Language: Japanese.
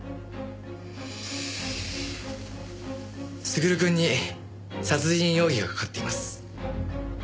優くんに殺人容疑がかかっています。